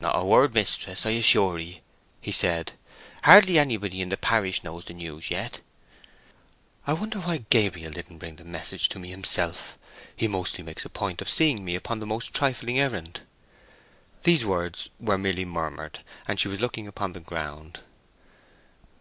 "Not a word, mistress, I assure 'ee!" he said. "Hardly anybody in the parish knows the news yet." "I wonder why Gabriel didn't bring the message to me himself. He mostly makes a point of seeing me upon the most trifling errand." These words were merely murmured, and she was looking upon the ground.